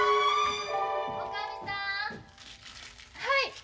はい！